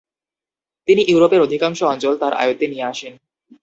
তিনি ইউরোপের অধিকাংশ অঞ্চল তার আয়ত্তে নিয়ে আসেন।